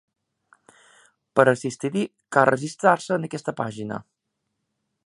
Per assistir-hi cal registrar-se en aquesta pàgina.